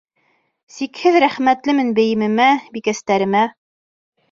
Сикһеҙ рәхмәтлемен бейемемә, бикәстәремә.